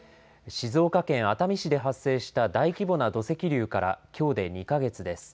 静岡県熱海市で発生した大規模な土石流からきょうで２か月です。